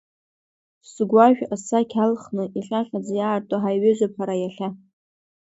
Згәашә асақь аалхны иҟьаҟьаӡа иаарту ҳаиҩызоуп ҳара иахьа.